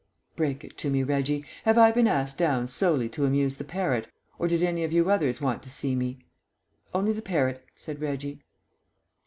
"Break it to me, Reggie. Have I been asked down solely to amuse the parrot, or did any of you others want to see me?" "Only the parrot," said Reggie.